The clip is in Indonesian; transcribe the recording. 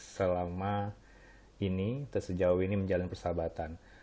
selama ini tersejauh ini menjalin persahabatan